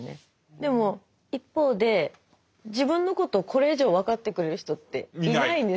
でも一方で自分のことをこれ以上分かってくれる人っていないんですよ。